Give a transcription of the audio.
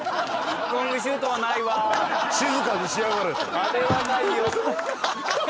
あれはないよ